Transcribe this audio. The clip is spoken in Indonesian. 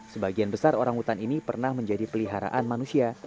sebagian besar orang hutan ini pernah menjadi peliharaan manusia